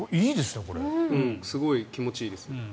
すごい気持ちいいです。